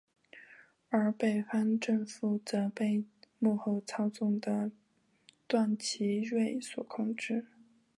而北方政府则被幕后操纵的段祺瑞所控制。